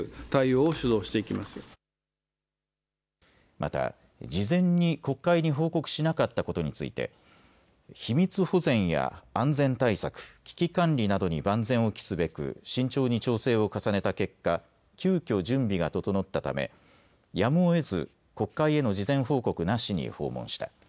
また事前に国会に報告しなかったことについて秘密保全や安全対策、危機管理などに万全を期すべく慎重に調整を重ねた結果、急きょ準備が整ったためやむをえず国会への事前報告なしに訪問した。